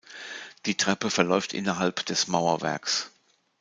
Die Treppe verläuft innerhalb des Mauerwerks.